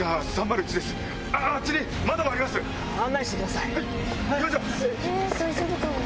案内してください。